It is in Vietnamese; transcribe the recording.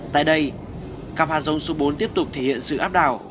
tại đây cặp hạ dông số bốn tiếp tục thể hiện sự áp đảo